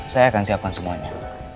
saya akan siapkan semuanya